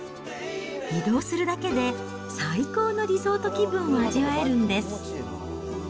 移動するだけで最高のリゾート気分を味わえるんです。